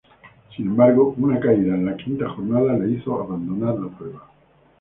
Sin embargo, una caída en la quinta jornada le hizo abandonar la prueba.